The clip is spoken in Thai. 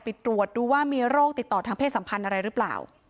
ไปตรวจดูว่ามีโรคติดต่อทางเพศสัมพันธ์อะไรหรือเปล่า